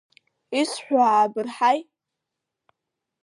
Исҳәо аабырҳаи!